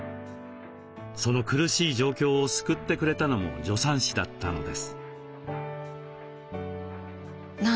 その苦しい状況を救ってくれたのも助産師だったのです。